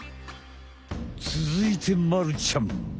つづいてまるちゃん！